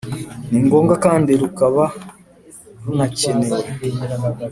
ni ngombwa kandi rukaba runakenewe